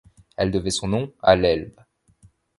Il devait son nom à l'Elbe.